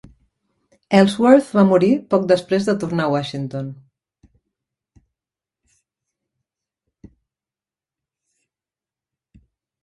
Ellsworth va morir poc després de tornar a Washington.